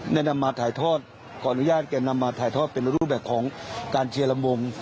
นำมาถ่ายทอดขออนุญาตแก่นำมาถ่ายทอดเป็นรูปแบบของการเชียร์ลำวง